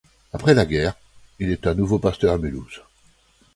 Après la guerre, il est à nouveau pasteur à Mulhouse.